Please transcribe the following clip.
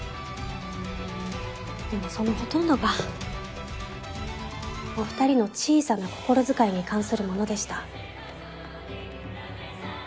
でもそのほとんどがお２人の小さな心遣いに関するものでした。